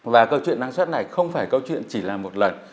và câu chuyện năng suất này không phải câu chuyện chỉ là một lần